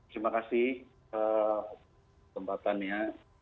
terima kasih tempatannya